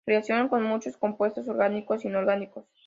Reaccionan con muchos compuestos orgánicos e inorgánicos.